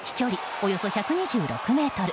およそ１２６ｍ。